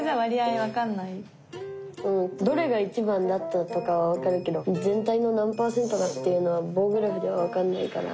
どれが一番だったとかはわかるけど全体の何パーセントかっていうのは棒グラフではわかんないかな。